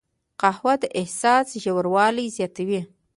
قهوه د احساس ژوروالی زیاتوي